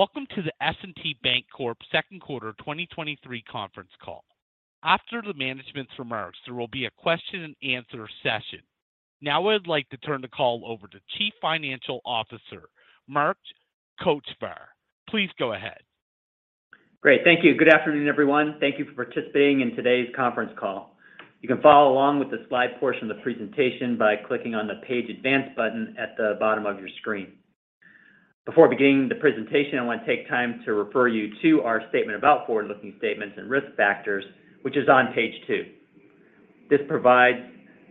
Welcome to the S&T Bancorp second quarter 2023 conference call. After the management's remarks, there will be a question and answer session. I'd like to turn the call over to Chief Financial Officer, Mark Kochvar. Please go ahead. Great. Thank you. Good afternoon, everyone. Thank you for participating in today's conference call. You can follow along with the slide portion of the presentation by clicking on the Page Advance button at the bottom of your screen. Before beginning the presentation, I want to take time to refer you to our statement about forward-looking statements and risk factors, which is on page 2. This provides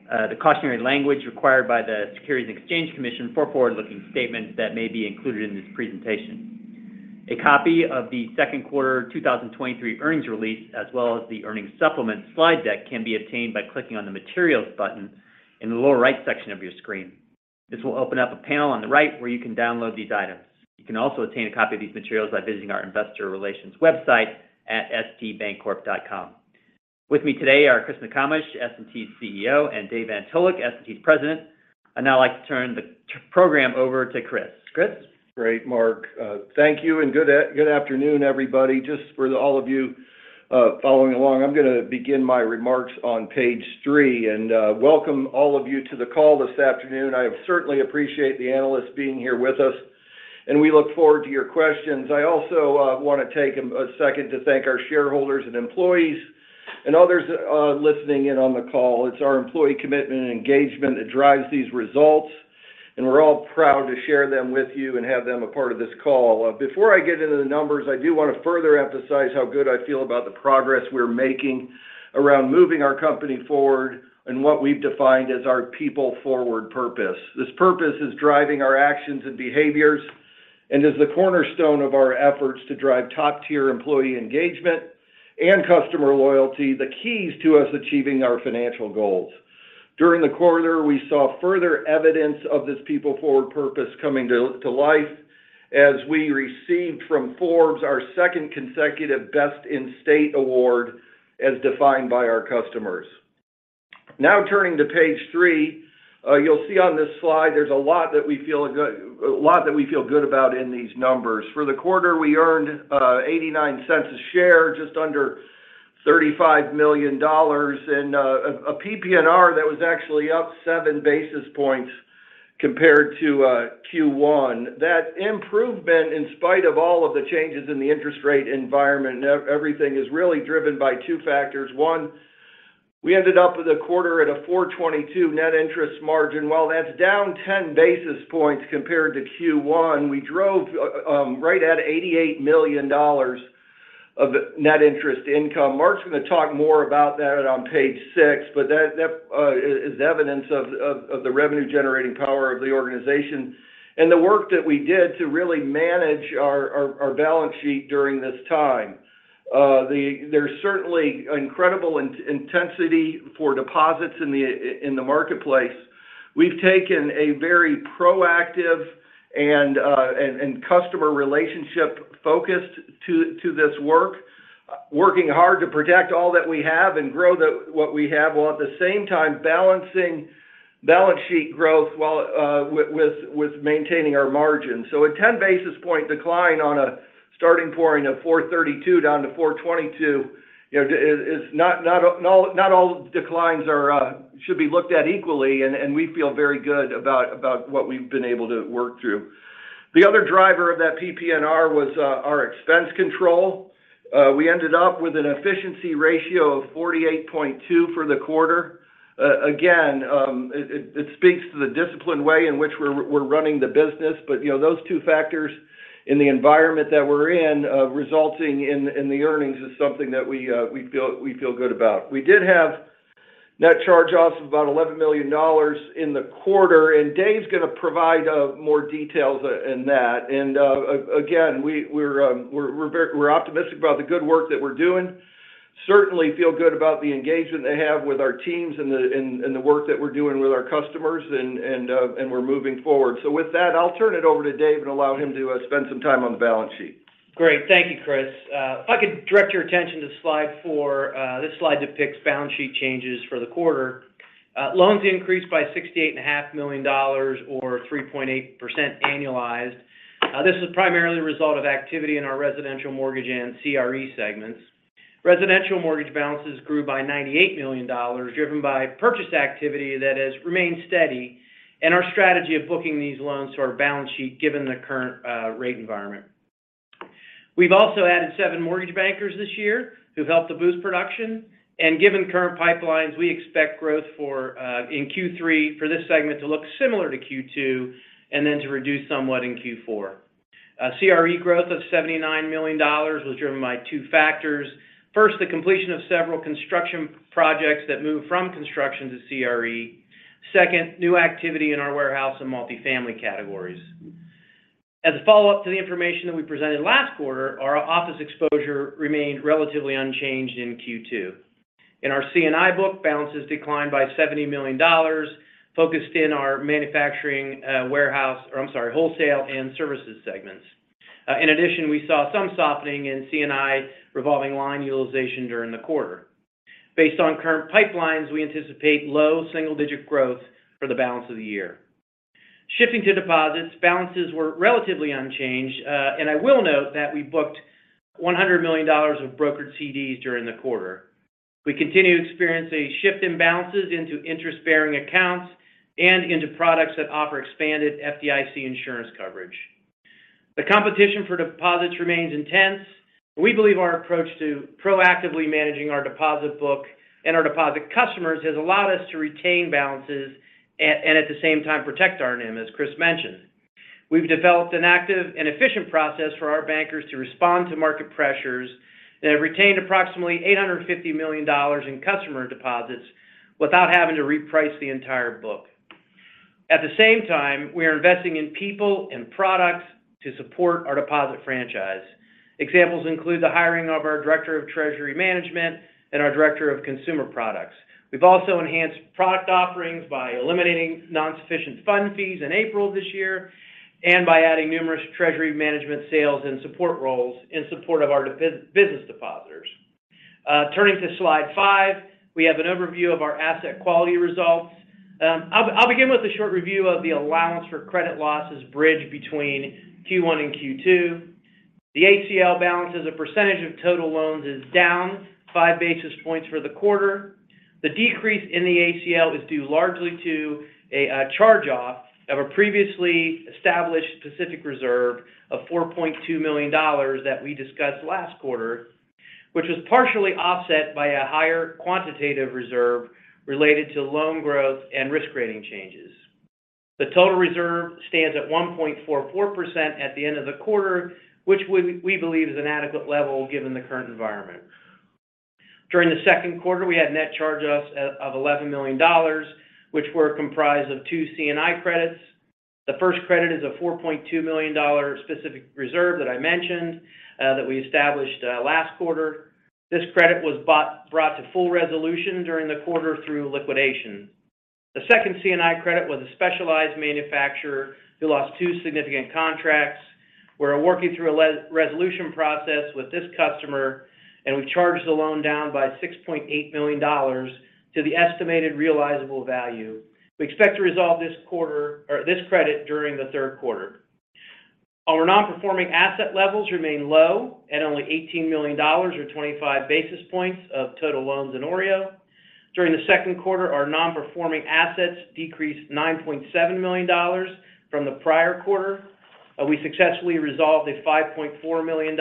the cautionary language required by the Securities and Exchange Commission for forward-looking statements that may be included in this presentation. A copy of the second quarter 2023 earnings release, as well as the earnings supplement slide deck, can be obtained by clicking on the Materials button in the lower right section of your screen. This will open up a panel on the right, where you can download these items. You can also obtain a copy of these materials by visiting our investor relations website at stbancorp.com. With me today are Chris McComish, S&T's CEO, and Dave Antolik, S&T's President. I'd now like to turn the program over to Chris. Chris? Great, Mark. Thank you, and good afternoon, everybody. Just for all of you, following along, I'm gonna begin my remarks on page 3. Welcome all of you to the call this afternoon. I certainly appreciate the analysts being here with us, and we look forward to your questions. I also want to take a second to thank our shareholders and employees and others listening in on the call. It's our employee commitment and engagement that drives these results, and we're all proud to share them with you and have them a part of this call. Before I get into the numbers, I do want to further emphasize how good I feel about the progress we're making around moving our company forward and what we've defined as our people-forward purpose. This purpose is driving our actions and behaviors and is the cornerstone of our efforts to drive top-tier employee engagement and customer loyalty, the keys to us achieving our financial goals. During the quarter, we saw further evidence of this people-forward purpose coming to life as we received from Forbes, our second consecutive Best-In-State award, as defined by our customers. Turning to page 3, you'll see on this slide there's a lot that we feel good about in these numbers. For the quarter, we earned $0.89 a share, just under $35 million in a PPNR that was actually up 7 basis points compared to Q1. That improvement, in spite of all of the changes in the interest rate environment and everything, is really driven by two factors. We ended up with a quarter at a 4.22 net interest margin. While that's down 10 basis points compared to Q1, we drove right at $88 million of net interest income. Mark's going to talk more about that on page 6, that is evidence of the revenue-generating power of the organization and the work that we did to really manage our balance sheet during this time. There's certainly incredible intensity for deposits in the marketplace. We've taken a very proactive and customer relationship focused to this work, working hard to protect all that we have and grow what we have, while at the same time, balancing balance sheet growth with maintaining our margin. A 10 basis point decline on a starting point of 432 down to 422, you know, is not all declines are should be looked at equally, and we feel very good about what we've been able to work through. The other driver of that PPNR was our expense control. We ended up with an efficiency ratio of 48.2 for the quarter. Again, it speaks to the disciplined way in which we're running the business, you know, those two factors in the environment that we're in, resulting in the earnings is something that we feel good about. We did have net charge-offs of about $11 million in the quarter, Dave's going to provide more details in that. Again, we're optimistic about the good work that we're doing. Certainly feel good about the engagement they have with our teams and the work that we're doing with our customers, and we're moving forward. With that, I'll turn it over to Dave and allow him to spend some time on the balance sheet. Great. Thank you, Chris. If I could direct your attention to slide 4, this slide depicts balance sheet changes for the quarter. Loans increased by sixty-eight and a half million dollars or 3.8% annualized. This is primarily a result of activity in our residential mortgage and CRE segments. Residential mortgage balances grew by $98 million, driven by purchase activity that has remained steady and our strategy of booking these loans to our balance sheet, given the current rate environment. We've also added seven mortgage bankers this year who've helped to boost production, and given current pipelines, we expect growth for in Q3 for this segment to look similar to Q2 and then to reduce somewhat in Q4. CRE growth of $79 million was driven by two factors. First, the completion of several construction projects that moved from construction to CRE. Second, new activity in our warehouse and multifamily categories. As a follow-up to the information that we presented last quarter, our office exposure remained relatively unchanged in Q2. In our C&I book, balances declined by $70 million, focused in our manufacturing, wholesale and services segments. In addition, we saw some softening in C&I revolving line utilization during the quarter. Based on current pipelines, we anticipate low single-digit growth for the balance of the year. Shifting to deposits, balances were relatively unchanged. I will note that we booked $100 million of brokered CDs during the quarter. We continue to experience a shift in balances into interest-bearing accounts and into products that offer expanded FDIC insurance coverage. The competition for deposits remains intense. We believe our approach to proactively managing our deposit book and our deposit customers has allowed us to retain balances, and at the same time, protect our NIM, as Chris mentioned. We've developed an active and efficient process for our bankers to respond to market pressures, have retained approximately $850 million in customer deposits without having to reprice the entire book. At the same time, we are investing in people and products to support our deposit franchise. Examples include the hiring of our Director of Treasury Management and our Director of Consumer Products. We've also enhanced product offerings by eliminating non-sufficient funds fees in April this year, by adding numerous treasury management sales and support roles in support of our business depositors. Turning to slide 5, we have an overview of our asset quality results. I'll begin with a short review of the allowance for credit losses bridge between Q1 and Q2. The ACL balance as a percentage of total loans is down 5 basis points for the quarter. The decrease in the ACL is due largely to a charge-off of a previously established specific reserve of $4.2 million that we discussed last quarter, which was partially offset by a higher quantitative reserve related to loan growth and risk rating changes. The total reserve stands at 1.44% at the end of the quarter, which we believe is an adequate level given the current environment. During the second quarter, we had net charge-offs of $11 million, which were comprised of 2 C&I credits. The first credit is a $4.2 million specific reserve that I mentioned that we established last quarter. This credit was brought to full resolution during the quarter through liquidation. The second C&I credit was a specialized manufacturer who lost two significant contracts. We're working through a resolution process with this customer. We charged the loan down by $6.8 million to the estimated realizable value. We expect to resolve this credit during the third quarter. Our non-performing asset levels remain low at only $18 million or 25 basis points of total loans in OREO. During the second quarter, our non-performing assets decreased $9.7 million from the prior quarter. We successfully resolved a $5.4 million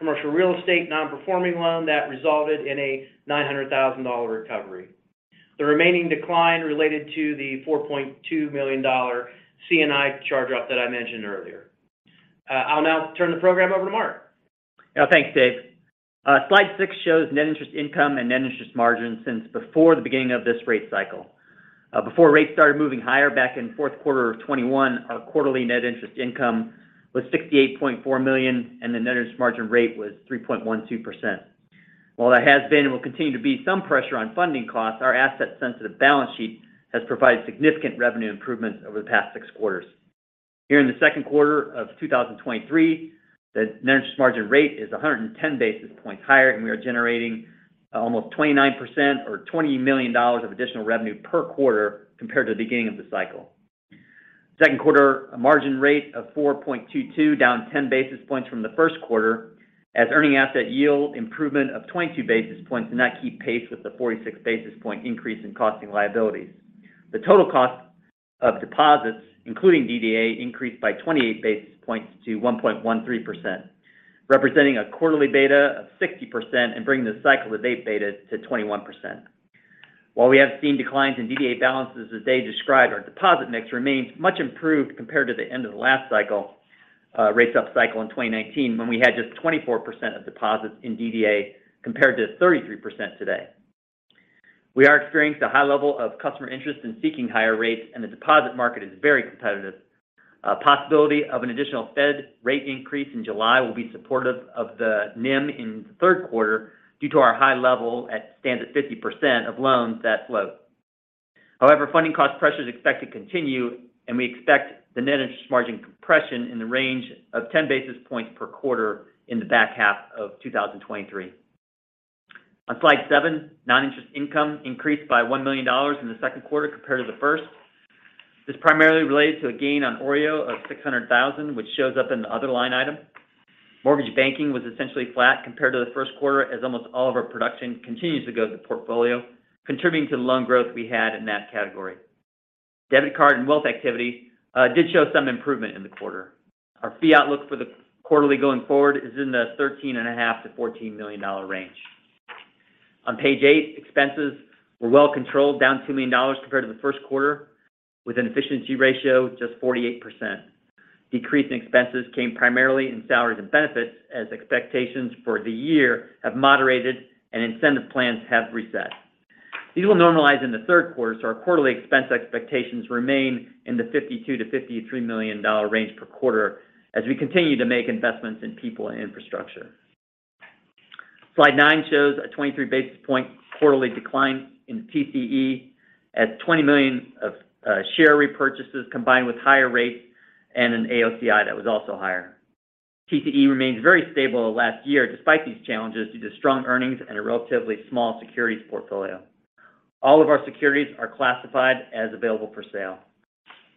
commercial real estate non-performing loan that resulted in a $900,000 recovery. The remaining decline related to the $4.2 million C&I charge-off that I mentioned earlier. I'll now turn the program over to Mark. Yeah. Thanks, Dave. Slide six shows net interest income and net interest margin since before the beginning of this rate cycle. Before rates started moving higher back in fourth quarter of 2021, our quarterly net interest income was $68.4 million, and the net interest margin rate was 3.12%. While there has been and will continue to be some pressure on funding costs, our asset-sensitive balance sheet has provided significant revenue improvements over the past six quarters. Here in the second quarter of 2023, the net interest margin rate is 110 basis points higher, and we are generating almost 29% or $20 million of additional revenue per quarter compared to the beginning of the cycle. Second quarter margin rate of 4.22, down 10 basis points from the first quarter, as earning asset yield improvement of 22 basis points did not keep pace with the 46 basis point increase in costing liabilities. The total cost of deposits, including DDA, increased by 28 basis points to 1.13%, representing a quarterly beta of 60% and bringing the cycle to date beta to 21%. While we have seen declines in DDA balances, as Dave described, our deposit mix remains much improved compared to the end of the last cycle, rate up cycle in 2019, when we had just 24% of deposits in DDA, compared to 33% today. We are experiencing a high level of customer interest in seeking higher rates, and the deposit market is very competitive. A possibility of an additional Fed rate increase in July will be supportive of the NIM in the third quarter due to our high level stands at 50% of loans that float. Funding cost pressure is expected to continue, and we expect the Net Interest Margin compression in the range of 10 basis points per quarter in the back half of 2023. On slide 7, non-interest income increased by $1 million in the second quarter compared to the first. This primarily relates to a gain on OREO of $600,000, which shows up in the other line item. Mortgage banking was essentially flat compared to the first quarter, as almost all of our production continues to go to the portfolio, contributing to the loan growth we had in that category. Debit card and wealth activity, did show some improvement in the quarter. Our fee outlook for the quarterly going forward is in the $13.5 million-$14 million range. On page 8, expenses were well controlled, down $2 million compared to the first quarter, with an efficiency ratio just 48%. Decrease in expenses came primarily in salaries and benefits, as expectations for the year have moderated and incentive plans have reset. These will normalize in the third quarter, so our quarterly expense expectations remain in the $52 million-$53 million range per quarter as we continue to make investments in people and infrastructure. Slide 9 shows a 23 basis point quarterly decline in NIM at $20 million of share repurchases, combined with higher rates and an AOCI that was also higher. TCE remained very stable last year despite these challenges, due to strong earnings and a relatively small securities portfolio. All of our securities are classified as available for sale.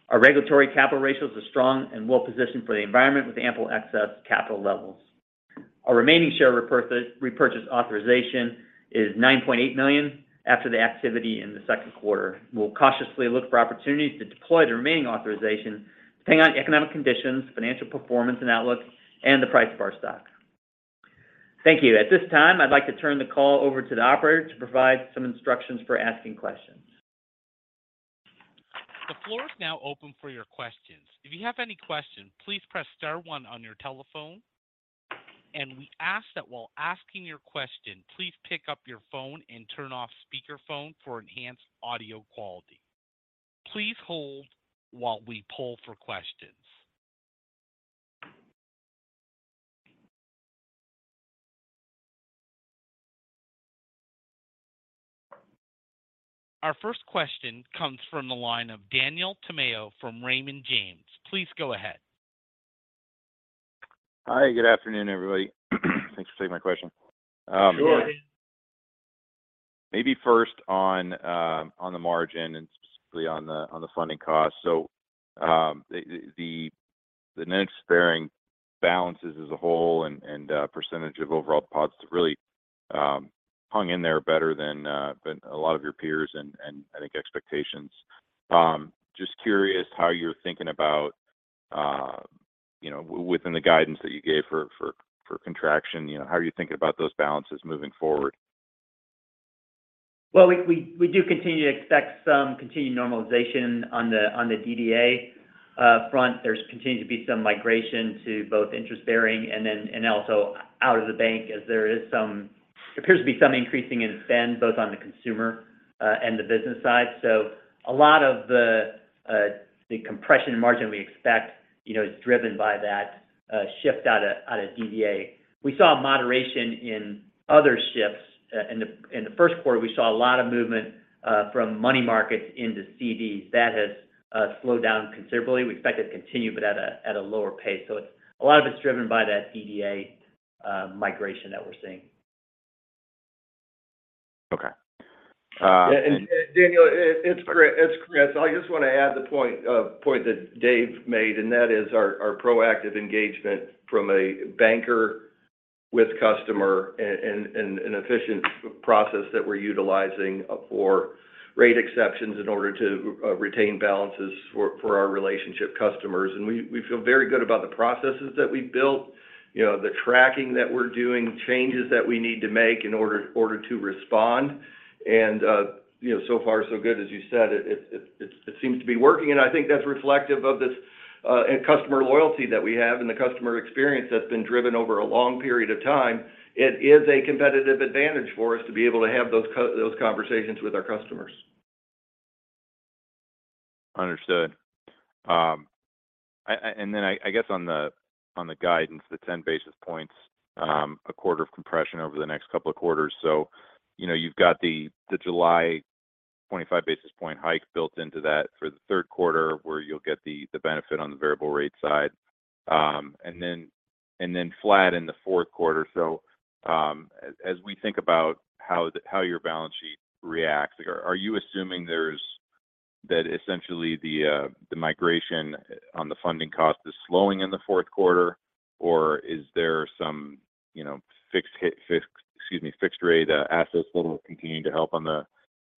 Our regulatory capital ratios are strong and well-positioned for the environment, with ample excess capital levels. Our remaining share repurchase authorization is $9.8 million after the activity in the second quarter. We'll cautiously look for opportunities to deploy the remaining authorization depending on economic conditions, financial performance and outlook, and the price of our stock. Thank you. At this time, I'd like to turn the call over to the operator to provide some instructions for asking questions. The floor is now open for your questions. If you have any questions, please press star one on your telephone. We ask that while asking your question, please pick up your phone and turn off speakerphone for enhanced audio quality. Please hold while we poll for questions. Our first question comes from the line of Daniel Tamayo from Raymond James. Please go ahead. Hi, good afternoon, everybody. Thanks for taking my question. Sure. Maybe first on the margin and specifically on the, on the funding cost. The net sparing balances as a whole and percentage of overall costs really hung in there better than a lot of your peers and I think expectations. Just curious how you're thinking about, you know, within the guidance that you gave for contraction, you know, how are you thinking about those balances moving forward? We do continue to expect some continued normalization on the DDA front. There's continued to be some migration to both interest-bearing and then, and also out of the bank, as there appears to be some increasing in spend, both on the consumer and the business side. A lot of the compression margin we expect, you know, is driven by that shift out of DDA. We saw a moderation in other shifts. In the first quarter, we saw a lot of movement from money markets into CDs. That has slowed down considerably. We expect it to continue, but at a lower pace. A lot of it's driven by that DDA migration that we're seeing. Okay. Daniel, it's Chris. I just want to add the point that Dave made, and that is our proactive engagement from a banker with customer and an efficient process that we're utilizing for rate exceptions in order to retain balances for our relationship customers. We feel very good about the processes that we've built, you know, the tracking that we're doing, changes that we need to make in order to respond. You know, so far so good. As you said, it seems to be working. I think that's reflective of this customer loyalty that we have and the customer experience that's been driven over a long period of time. It is a competitive advantage for us to be able to have those conversations with our customers. Understood. I guess on the guidance, the 10 basis points, a quarter of compression over the next couple of quarters. You know, you've got the July 25 basis point hike built into that for the third quarter, where you'll get the benefit on the variable rate side. And then flat in the fourth quarter. As we think about how your balance sheet reacts, are you assuming there's that essentially the migration on the funding cost is slowing in the fourth quarter? Or is there some, you know, fixed hit, excuse me, fixed rate, assets level continuing to help on the,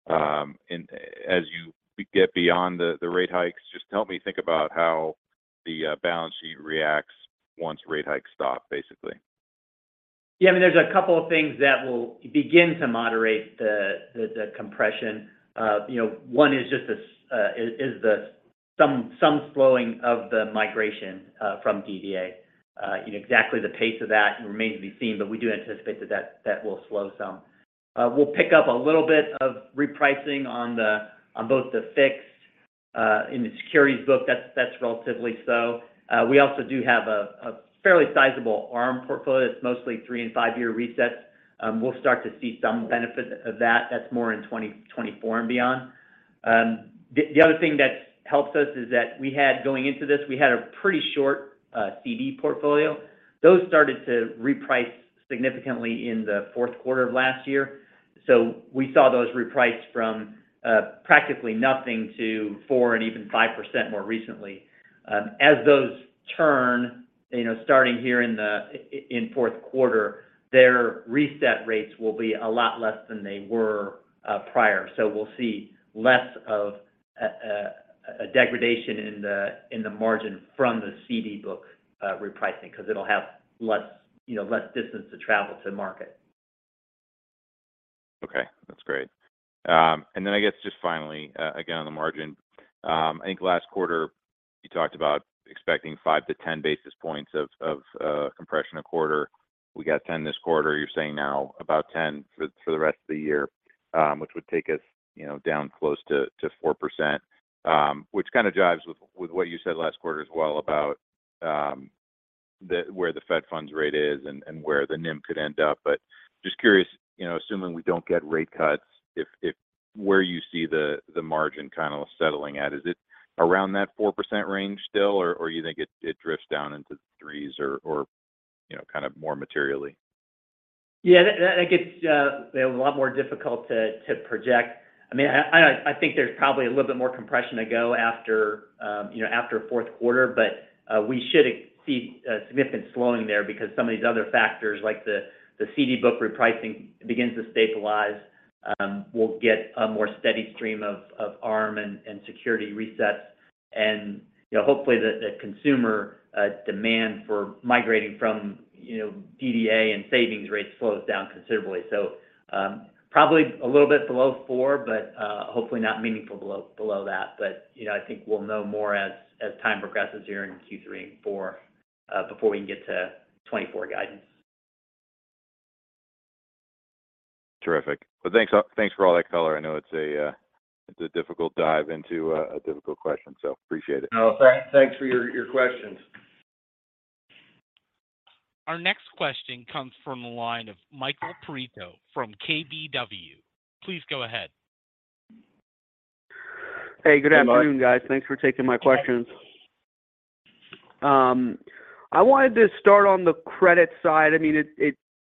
and as you get beyond the rate hikes? Just help me think about how the balance sheet reacts once rate hikes stop, basically. Yeah, I mean, there's a couple of things that will begin to moderate the, the compression. You know, one is just the slowing of the migration from DDA. Exactly the pace of that remains to be seen, but we do anticipate that will slow some. We'll pick up a little bit of repricing on both the fixed in the securities book. That's relatively slow. We also do have a fairly sizable ARM portfolio. It's mostly three- and five-year resets. We'll start to see some benefit of that. That's more in 2024 and beyond. The other thing that helps us is that going into this, we had a pretty short CD portfolio. Those started to reprice significantly in the fourth quarter of last year. We saw those reprice from practically nothing to 4% and even 5% more recently. As those turn, you know, starting here in the fourth quarter, their reset rates will be a lot less than they were prior. We'll see less of a degradation in the margin from the CD book repricing, because it'll have less, you know, less distance to travel to market. That's great. I guess just finally, again, on the margin. I think last quarter, you talked about expecting 5-10 basis points of compression a quarter. We got 10 this quarter. You're saying now about 10 for the rest of the year, which would take us, you know, down close to 4%. Which kind of jives with what you said last quarter as well, about the, where the Fed funds rate is and where the NIM could end up. Just curious, you know, assuming we don't get rate cuts, if where you see the margin kind of settling at? Is it around that 4% range still, or you think it drifts down into threes or, you know, kind of more materially? Yeah, that gets a lot more difficult to project. I mean, I think there's probably a little bit more compression to go after, you know, after fourth quarter, but we should see a significant slowing there because some of these other factors, like the CD book repricing begins to stabilize. We'll get a more steady stream of ARM and security resets. You know, hopefully, the consumer demand for migrating from, you know, DDA and savings rates slows down considerably. Probably a little bit below four, but hopefully not meaningful below that. You know, I think we'll know more as time progresses here in Q3 and four, before we can get to 2024 guidance. Terrific. Well, thanks for all that color. I know it's a difficult dive into a difficult question, so appreciate it. No, thanks for your questions. Our next question comes from the line of Michael Perito from KBW. Please go ahead. Hey, good afternoon, guys. Hey, Mike. Thanks for taking my questions. I wanted to start on the credit side. I mean,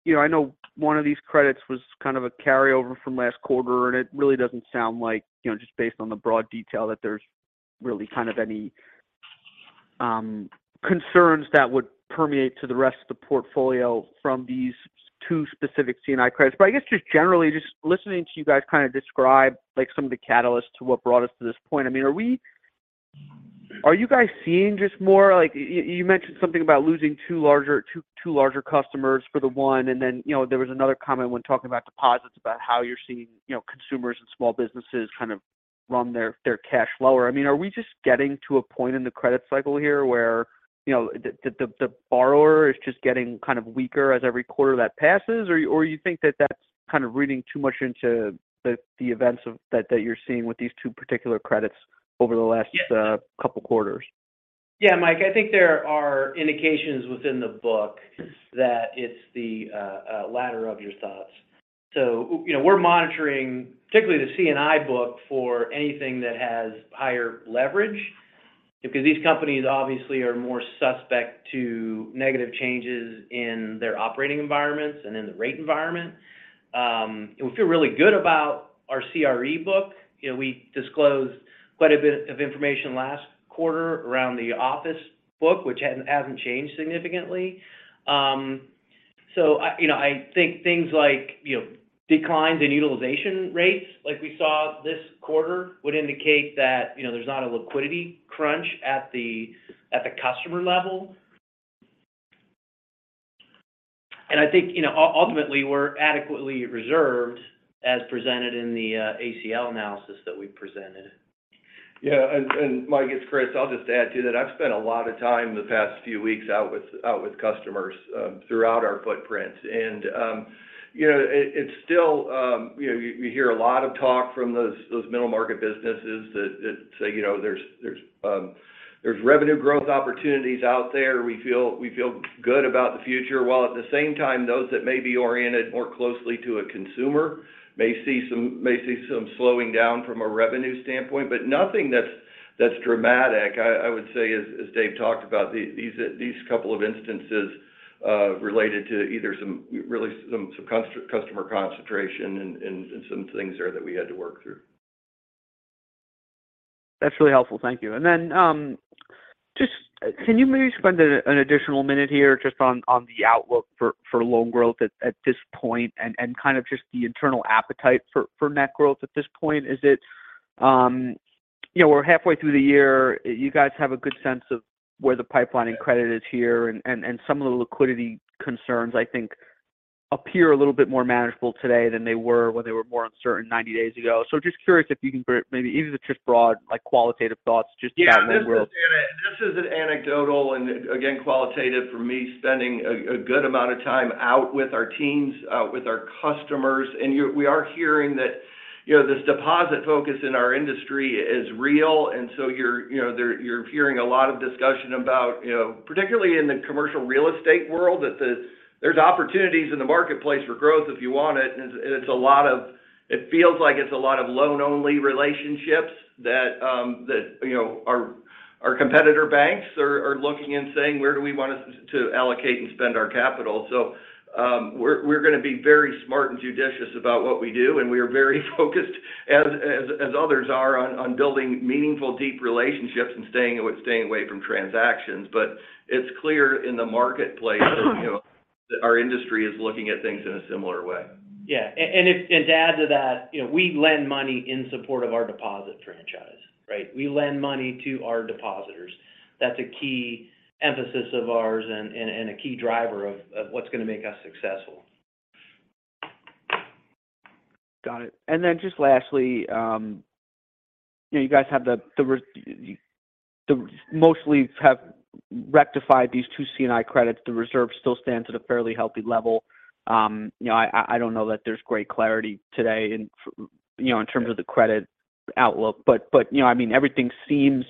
you know, I know one of these credits was kind of a carryover from last quarter, and it really doesn't sound like, you know, just based on the broad detail, that there's really kind of any concerns that would permeate to the rest of the portfolio from these two specific C&I credits. I guess just generally, just listening to you guys kind of describe, like, some of the catalysts to what brought us to this point, I mean, are you guys seeing just more like? You mentioned something about losing 2 larger customers for the one, and then, you know, there was another comment when talking about deposits, about how you're seeing, you know, consumers and small businesses kind of run their cash lower. I mean, are we just getting to a point in the credit cycle here where, you know, the borrower is just getting kind of weaker as every quarter that passes? Or you think that that's kind of reading too much into the events of that you're seeing with these 2 particular credits over the last couple quarters? Yeah, Mike, I think there are indications within the book that it's the latter of your thoughts. You know, we're monitoring, particularly the C&I book, for anything that has higher leverage, because these companies obviously are more suspect to negative changes in their operating environments and in the rate environment. We feel really good about our CRE book. You know, we disclosed quite a bit of information last quarter around the office book, which hasn't changed significantly. I, you know, I think things like, you know, declines in utilization rates, like we saw this quarter, would indicate that, you know, there's not a liquidity crunch at the customer level. I think, you know, ultimately, we're adequately reserved as presented in the ACL analysis that we presented. Yeah, Mike, it's Chris. I'll just add to that. I've spent a lot of time in the past few weeks out with customers throughout our footprint. You know, it's still, you know, you hear a lot of talk from those middle-market businesses that say, you know, "There's revenue growth opportunities out there. We feel good about the future," while at the same time, those that may be oriented more closely to a consumer may see some slowing down from a revenue standpoint, but nothing that's dramatic. I would say, as Dave talked about, these couple of instances related to either some really some customer concentration and some things there that we had to work through. That's really helpful. Thank you. Then, just, can you maybe spend an additional minute here just on the outlook for loan growth at this point, and kind of just the internal appetite for net growth at this point? Is it... You know, we're halfway through the year. You guys have a good sense of where the pipeline and credit is here, and some of the liquidity concerns, I think, appear a little bit more manageable today than they were when they were more uncertain 90 days ago. Just curious if you can maybe even the just broad, like, qualitative thoughts just about net growth. This is an anecdotal, and again, qualitative for me, spending a good amount of time out with our teams, with our customers. We are hearing that, you know, this deposit focus in our industry is real, you're, you know, there, you're hearing a lot of discussion about, you know, particularly in the commercial real estate world, that there's opportunities in the marketplace for growth if you want it. It's, it feels like it's a lot of loan-only relationships that, you know, our competitor banks are looking and saying: Where do we want us to allocate and spend our capital? We're going to be very smart and judicious about what we do, and we are very focused, as others are, on building meaningful, deep relationships and staying away from transactions. It's clear in the marketplace, you know, that our industry is looking at things in a similar way. Yeah, and to add to that, you know, we lend money in support of our deposit franchise, right? We lend money to our depositors. That's a key emphasis of ours and a key driver of what's going to make us successful. Got it. Just lastly, you know, you guys have mostly rectified these two C&I credits. The reserve still stands at a fairly healthy level. You know, I don't know that there's great clarity today in you know, in terms of the credit outlook, but, you know, I mean, everything seems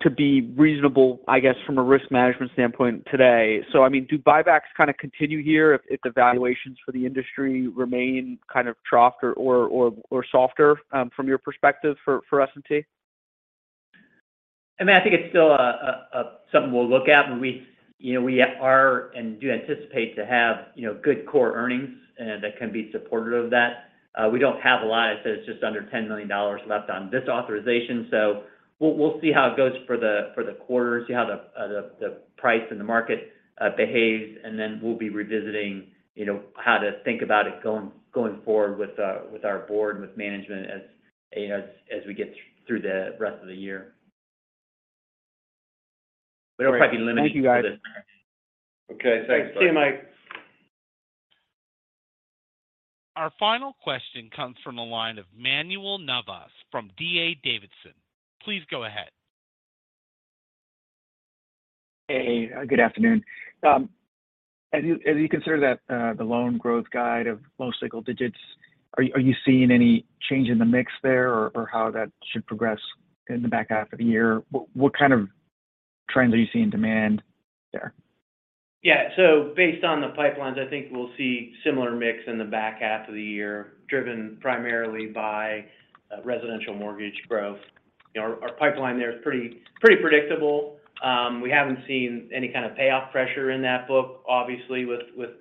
to be reasonable, I guess, from a risk management standpoint today. I mean, do buybacks kind of continue here if the valuations for the industry remain kind of trough or softer, from your perspective for S&T? I mean, I think it's still a something we'll look at when we, you know, we are and do anticipate to have, you know, good core earnings that can be supportive of that. We don't have a lot. It says just under $10 million left on this authorization, so we'll see how it goes for the quarter, see how the price and the market behaves, and then we'll be revisiting, you know, how to think about it going forward with our board, with management as we get through the rest of the year. We don't quite be limited for this. Thank you, guys. Okay, thanks. See you, Mike. Our final question comes from the line of Manuel Navas from D.A. Davidson. Please go ahead. Hey, good afternoon. As you consider that, the loan growth guide of low single digits, are you seeing any change in the mix there or how that should progress in the back half of the year? What kind of trends are you seeing in demand there? Based on the pipelines, I think we'll see similar mix in the back half of the year, driven primarily by residential mortgage growth. You know, our pipeline there is pretty predictable. We haven't seen any kind of payoff pressure in that book, obviously, with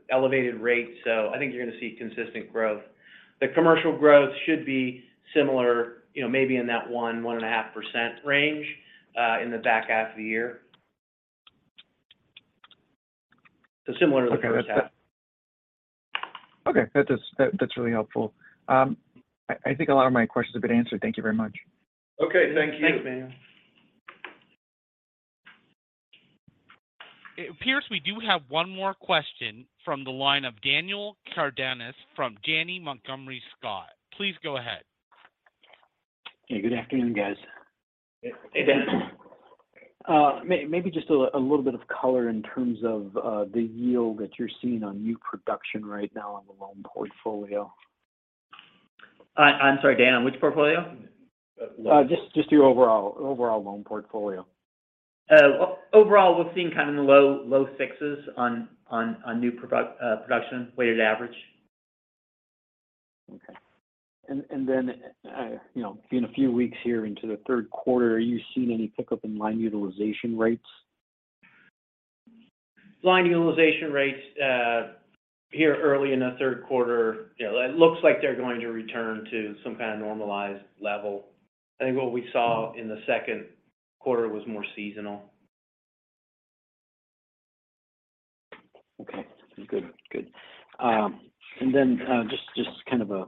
elevated rates. I think you're going to see consistent growth. The commercial growth should be similar, you know, maybe in that 1.5% range in the back half of the year. Similar to the first half. Okay. That's really helpful. I think a lot of my questions have been answered. Thank you very much. Okay. Thank you. Thank you, Manuel. It appears we do have one more question from the line of Daniel Cardenas from Janney Montgomery Scott. Please go ahead. Hey, good afternoon, guys. Hey, Dan. Maybe just a little bit of color in terms of the yield that you're seeing on new production right now on the loan portfolio. I'm sorry, Dan, on which portfolio? just your overall loan portfolio. Overall, we've seen kind of in the low 6%s on new production weighted average. Okay. Then, you know, in a few weeks here into the third quarter, are you seeing any pickup in line utilization rates? Line utilization rates, here early in the third quarter, you know, it looks like they're going to return to some kind of normalized level. I think what we saw in the second quarter was more seasonal. Okay. Good. Good. Just kind of a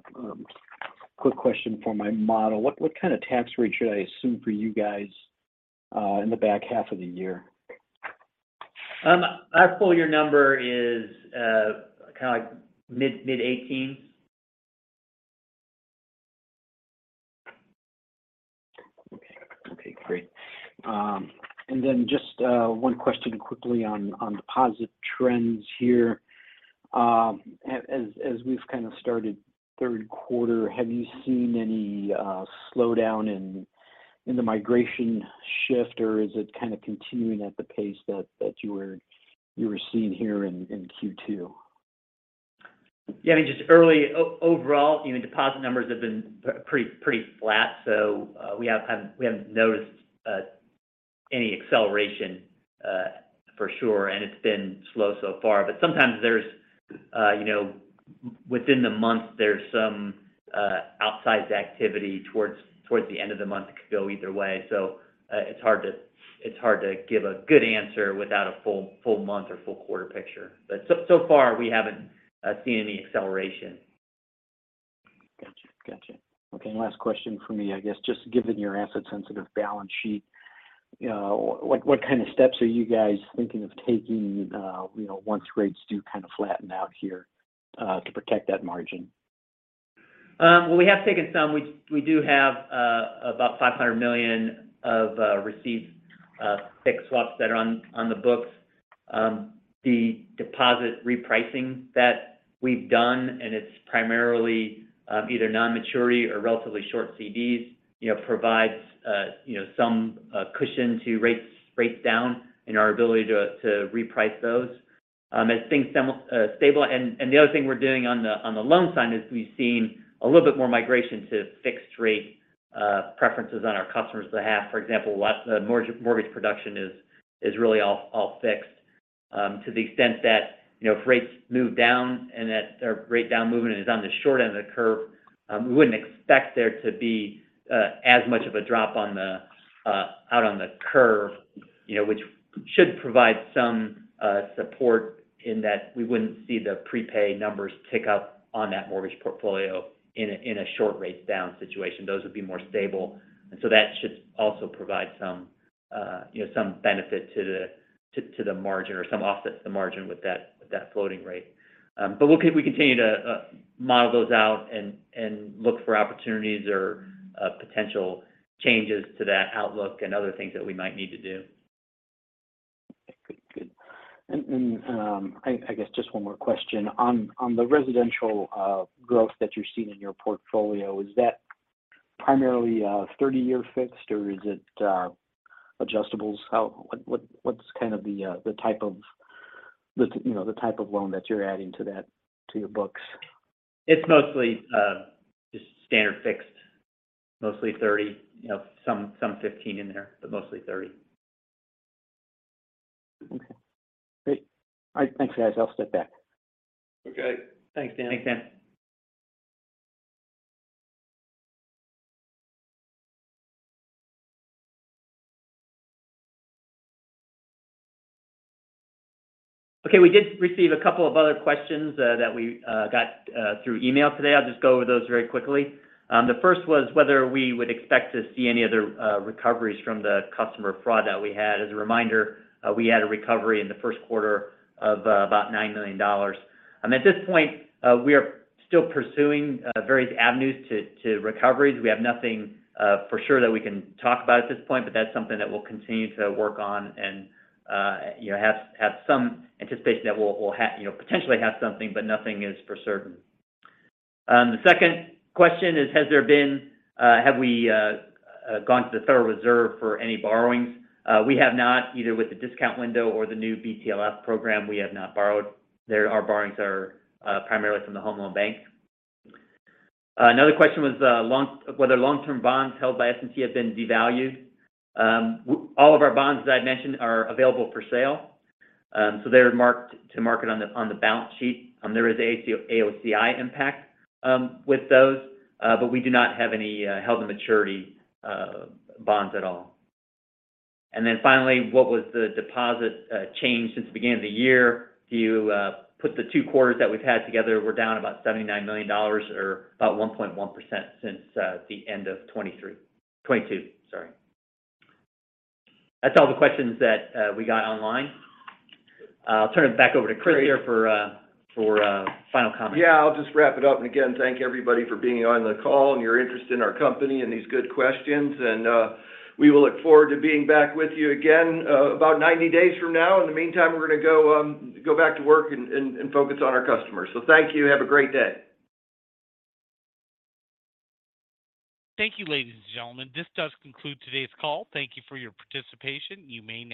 quick question for my model. What kind of tax rate should I assume for you guys, in the back half of the year? Our full year number is, kind of like mid-18. Okay. Okay, great. Just one question quickly on deposit trends here. As we've kind of started third quarter, have you seen any slowdown in the migration shift, or is it kind of continuing at the pace that you were seeing here in Q2? Yeah, I mean, just early overall, you know, deposit numbers have been pretty flat, so we haven't noticed any acceleration for sure, and it's been slow so far. Sometimes there's, you know, within the month, there's some outsized activity towards the end of the month. It could go either way. It's hard to give a good answer without a full month or full quarter picture. So far, we haven't seen any acceleration. Gotcha. Gotcha. Okay, last question for me. I guess, just given your asset-sensitive balance sheet, what kind of steps are you guys thinking of taking, you know, once rates do kind of flatten out here, to protect that margin? Well, we have taken some. We do have about $500 million of received fixed swaps that are on the books. The deposit repricing that we've done, and it's primarily either non-maturity or relatively short CDs, you know, provides, you know, some cushion to rates down and our ability to reprice those as things seem stable. The other thing we're doing on the loan side is we've seen a little bit more migration to fixed rate preferences on our customers to have. For example, what the mortgage production is really all fixed, to the extent that, you know, if rates move down and that their rate down movement is on the short end of the curve, we wouldn't expect there to be as much of a drop out on the curve, you know, which should provide some support in that we wouldn't see the prepay numbers tick up on that mortgage portfolio in a short rates down situation. Those would be more stable, and so that should also provide some, you know, some benefit to the margin or some offset to the margin with that floating rate. We continue to model those out and look for opportunities or potential changes to that outlook and other things that we might need to do. ... I guess just one more question. On the residential, growth that you're seeing in your portfolio, is that primarily, 30-year fixed, or is it, adjustables? How, what's kind of the type of the, you know, the type of loan that you're adding to that, to your books? It's mostly, just standard fixed, mostly 30, you know, some 15 in there, but mostly 30. Okay. Great. All right, thanks, guys. I'll step back. Okay. Thanks, Dan. Thanks, Dan. Okay, we did receive a couple of other questions that we got through email today. I'll just go over those very quickly. The first was whether we would expect to see any other recoveries from the customer fraud that we had. As a reminder, we had a recovery in the first quarter of about $9 million. At this point, we are still pursuing various avenues to recoveries. We have nothing for sure that we can talk about at this point, but that's something that we'll continue to work on and, you know, have some anticipation that we'll have, you know, potentially have something, but nothing is for certain. The second question is, have we gone to the Federal Reserve for any borrowings? We have not, either with the discount window or the new BTFP program, we have not borrowed. There, our borrowings are primarily from the Home Loan Bank. Another question was whether long-term bonds held by S&T have been devalued. All of our bonds, as I've mentioned, are available for sale. So they're marked to market on the balance sheet. There is a AOCI impact with those, we do not have any held to maturity bonds at all. Finally, what was the deposit change since the beginning of the year? If you put the two quarters that we've had together, we're down about $79 million, or about 1.1% since the end of 2023. 2022, sorry. That's all the questions that we got online. I'll turn it back over to Chris here for final comments. Yeah, I'll just wrap it up. Again, thank everybody for being on the call and your interest in our company and these good questions. We will look forward to being back with you again about 90 days from now. In the meantime, we're going to go back to work and focus on our customers. Thank you. Have a great day. Thank you, ladies and gentlemen. This does conclude today's call. Thank you for your participation. You may now disconnect.